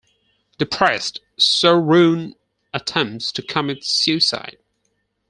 Depressed, Soo-ryun attempts to commit suicide.